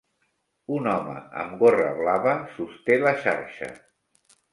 Un home amb gorra blava sosté la xarxa.